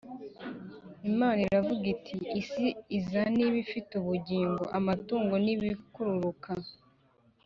Imana iravuga iti Isi izane ibifite ubugingo, amatungo n’ibikururuka